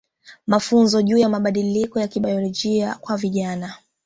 Mafunzo juu ya mabadiliko ya kibayolojia kwa vijana